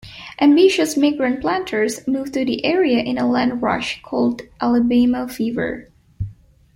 Ambitious migrant planters moved to the area in a land rush called Alabama Fever.